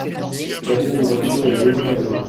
j'ai acheté une voiture et un nouveau canapé.